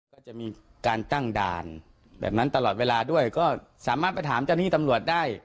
ก็จะมีการตั้งด่านแบบนั้นตลอดเวลาด้วยก็สามารถไปถามเจ้าหน้าที่ตำรวจได้